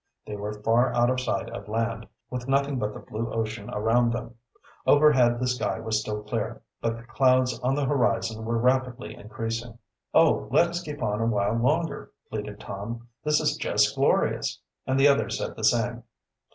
They were far out of sight of land, with nothing but the blue ocean around them. Overhead the sky was still clear, but the clouds on the horizon were rapidly increasing. "Oh, let us keep on a while longer," pleaded Tom. "This is just glorious!" And the others said the same.